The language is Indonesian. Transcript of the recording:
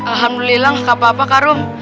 alhamdulillah gak apa apa kak ruf